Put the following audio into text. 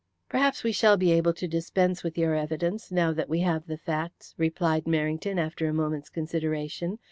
"Perhaps we shall be able to dispense with your evidence now that we have the facts," replied Merrington, after a moment's consideration.